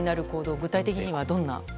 具体的にはどんな？